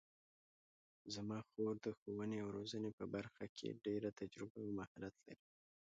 زما خور د ښوونې او روزنې په برخه کې ډېره تجربه او مهارت لري